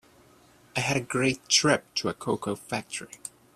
I had a great trip to a cocoa factory.